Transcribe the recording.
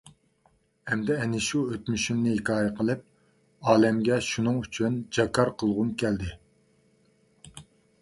ئەمدى ئەنە شۇ ئۆتمۈشۈمنى ھېكايە قىلىپ، ئالەمگە شۇنىڭ ئۈچۈن جاكار قىلغۇم كەلدى.